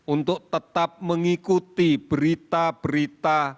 untuk tetap mengikuti berita berita